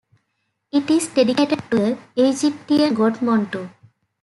It is dedicated to the Egyptian god Montu.